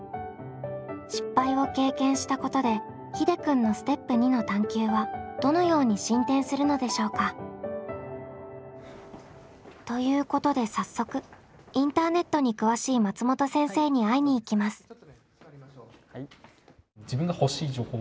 失敗を経験したことでひでくんのステップ２の探究はどのように進展するのでしょうか？ということで早速インターネットに詳しい松本先生に会いに行きます。